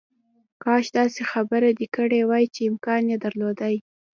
کاش داسې خبره دې کړې وای چې امکان یې درلودای